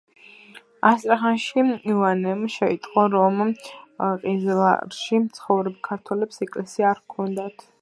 ასტრახანში იოანემ შეიტყო, რომ ყიზლარში მცხოვრებ ქართველებს ეკლესია არ ჰქონდათ.